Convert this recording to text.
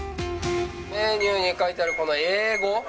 メニューに書いてあるこの英語。